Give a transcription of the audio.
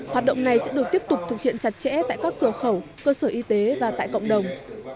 hoạt động này sẽ được tiếp tục thực hiện chặt chẽ tại các cửa khẩu cơ sở y tế và tại cộng đồng